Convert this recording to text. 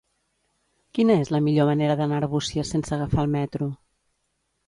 Quina és la millor manera d'anar a Arbúcies sense agafar el metro?